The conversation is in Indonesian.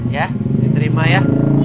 ya diterima ya